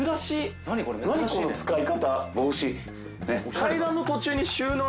この使い方。